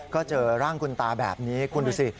ก็เจอร่างคุณตาแบบนี้คุณดูสิ